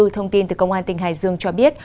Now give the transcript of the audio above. thông tin từ công an tỉnh hải dương cho biết